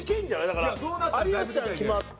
だから有吉さん決まった。